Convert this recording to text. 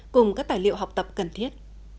cùng các tài liệu học tập cần thiết